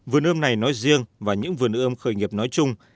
vườn ươm này nói riêng và những vườn ươm khởi nghiệp nói chung